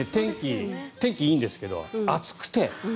天気、いいんですけど暑くて。